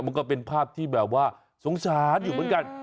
มันก็เป็นภาพที่แบบว่าสงสารอยู่เหมือนกัน